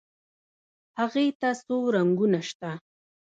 هغې ته څو رنګونه شته.